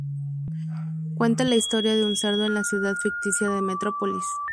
Cuenta la historia de un cerdo en la ciudad ficticia de Metrópolis.